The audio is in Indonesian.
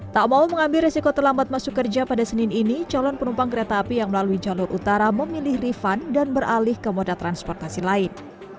tak mau mengambil resiko terlambat masuk kerja pada senin ini calon penumpang kereta api yang melalui jalur utara memilih refund dan beralih ke moda transportasi lain